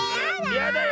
やだよ